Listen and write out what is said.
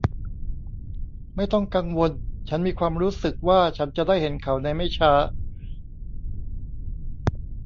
ไม่ต้องกังวลฉันมีความรู้สึกว่าฉันจะได้เห็นเขาในไม่ช้า